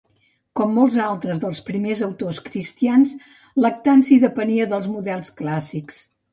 Com molts altres dels primers autors cristians, Lactanci depenia dels models clàssics.